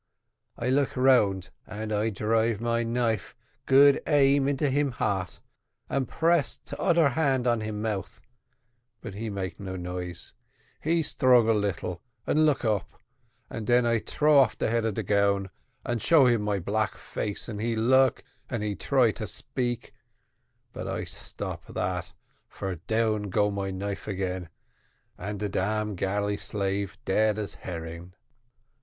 I look round all right, and I drive my knife good aim into him heart, and press toder hand on him mouth, but he make no noise; he struggle little and look up, and den I throw off de head of de gown and show him my black face, and he look and he try to speak; but I stop dat, for down go my knife, again, and de damn galley slave dead as herring."